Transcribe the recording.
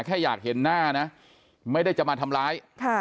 แค่อยากเห็นหน้านะไม่ได้จะมาทำร้าย